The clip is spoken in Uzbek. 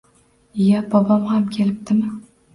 Iya, bobong ham kelibdimi